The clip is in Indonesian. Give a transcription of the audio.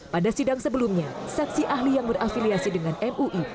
pada sidang sebelumnya saksi ahli yang berafiliasi dengan mui